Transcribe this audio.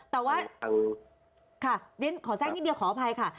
แต่ว่าขอแทรกนิดเดียวขออภัยค่ะ